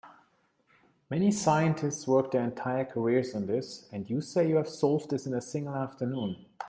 Many scientists work their entire careers on this, and you say you have solved this in a single afternoon?